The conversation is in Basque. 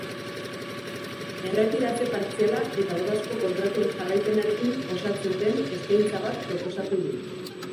Erretiratze partziala eta ordezko kontratuen jarraipenarekin osatzen den eskaintza bat proposatu du.